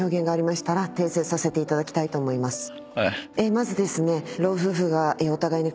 まずですね。